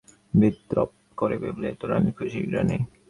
সন্দীপ আমার মুখের ভাব দেখে বিদ্রূপ করে বললে, এত খুশি রানী?